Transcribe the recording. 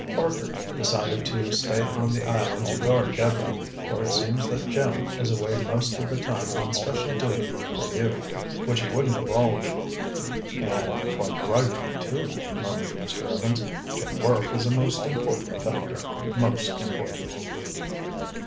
Parker decided to stay on the island to guard Deborah, for it seems that Jim is away most of the time on special duty for you, which he wouldn't divulge." "And quite right, too," murmured Mr. Evans. "Jim's work is a most important factor—most important."